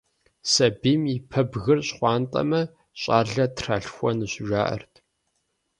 Сабийм и пэбгыр щхъуантӀэмэ, щӀалэ тралъхуэнущ, жаӀэрт.